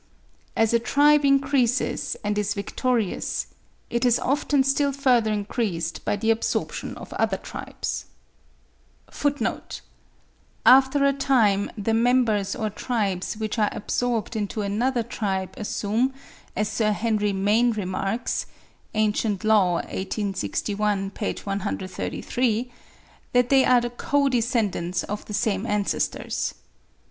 As a tribe increases and is victorious, it is often still further increased by the absorption of other tribes. (2. After a time the members or tribes which are absorbed into another tribe assume, as Sir Henry Maine remarks ('Ancient Law,' 1861, p. 131), that they are the co descendants of the same ancestors.)